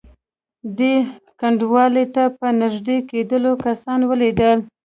دې کنډوالې ته په نږدې کېدلو کسان ولیدل.